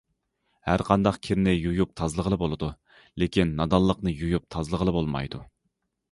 ھەرقانداق كىرنى يۇيۇپ تازىلىغىلى بولىدۇ، لېكىن نادانلىقنى يۇيۇپ تازىلىغىلى بولمايدۇ.